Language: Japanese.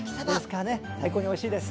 最高においしいです。